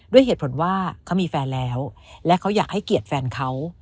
ด้วยเหตุผลว่าเขามีแฟนแล้วและเขาอยากให้เกียรติแฟนเขา